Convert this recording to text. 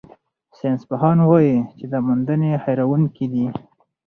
ساینسپوهان وايي چې دا موندنې حیرانوونکې دي.